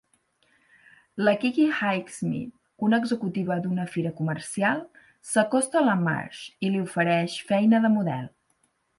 La Kiki Highsmith, una executiva d'una fira comercial, s'acosta a la Marge i li ofereix feina de model.